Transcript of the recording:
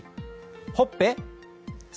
ほっぺ？